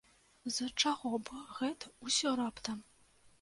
З чаго б гэта ўсё раптам?